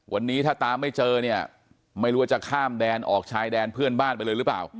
วันนี้ถ้าตามไม่เจอเนี่ยไม่รู้ว่าจะข้ามแดนออกชายแดนเพื่อนบ้านไปเลยหรือเปล่า